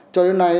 cho đến nay